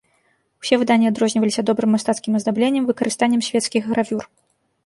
Усе выданні адрозніваліся добрым мастацкім аздабленнем, выкарыстаннем свецкіх гравюр.